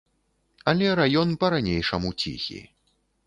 Але раён па-ранейшаму ціхі.